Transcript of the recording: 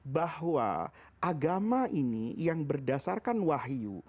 bahwa agama ini yang berdasarkan wahyu